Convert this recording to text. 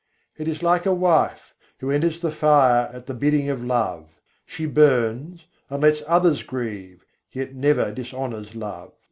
It is like a wife, who enters the fire at the bidding of love. She burns and lets others grieve, yet never dishonours love.